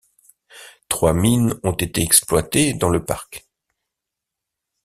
Trois mines ont été exploitées dans le parc.